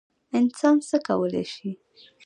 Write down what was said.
انسان څه کولی شي؟